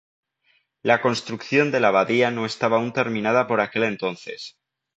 La construcción de la abadía no estaba aún terminada por aquel entonces.